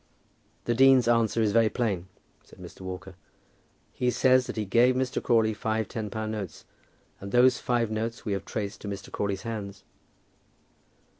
"The dean's answer is very plain," said Mr. Walker. "He says that he gave Mr. Crawley five ten pound notes, and those five notes we have traced to Mr. Crawley's hands."